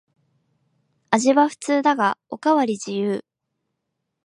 味は普通だがおかわり自由